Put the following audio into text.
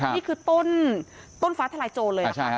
นี่คือต้นต้นฟ้าทลายโจรเลยค่ะ